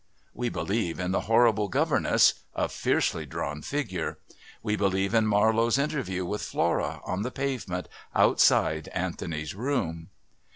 We believe in the horrible governess (a fiercely drawn figure). We believe in Marlowe's interview with Flora on the pavement outside Anthony's room.